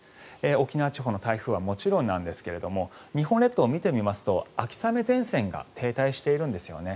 沖縄地方の台風はもちろんなんですが日本列島を見てみますと秋雨前線が停滞しているんですよね。